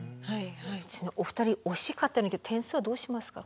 お二人惜しかった点数はどうしますか？